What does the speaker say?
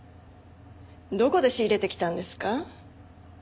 どこで仕入れてきたんですか？